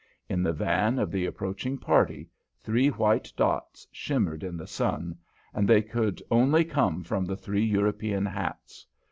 In the van of the approaching party, three white dots shimmered in the sun, and they could only come from the three European hats.